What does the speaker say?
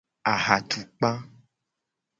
Ahatukpa.